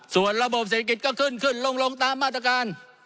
ส่วนระบบเศรษฐกิจก็ขึ้นขึ้นลงตามมาตรการ